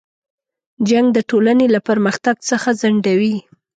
جنګ د ټولنې له پرمختګ څخه ځنډوي.